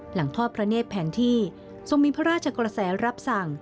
ทอดพระเนธแผนที่ทรงมีพระราชกระแสรับสั่ง